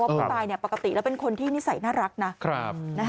ว่าผู้ตายปกติและเป็นคนที่นิสัยน่ารักนะครับ